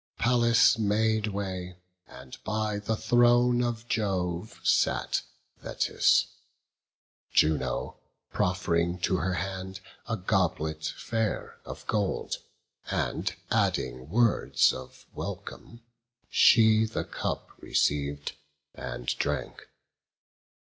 Pallas made way; and by the throne of Jove Sat Thetis, Juno proff'ring to her hand A goblet fair of gold, and adding words Of welcome; she the cup receiv'd, and drank.